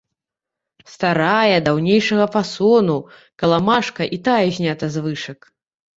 Старая, даўнейшага фасону, каламажка і тая знята з вышак.